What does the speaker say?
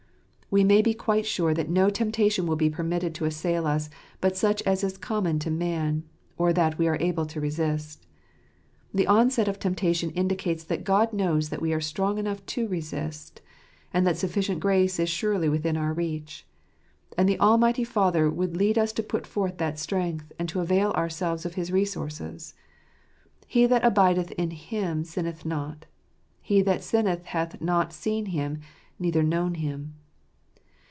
We may be quite sure that no temptation will be permitted to assail us — but such as is common to man, or that we are able to resist. The onset of temptation indicates that God knows that we are strong enough to resist, and that sufficient grace is surely within our reach. And the Almighty Father would lead us to put forth that strength, and to avail ourselves of His resources. " He that abideth in Him sinneth not He that sinneth hath not seen Him, neither known Him."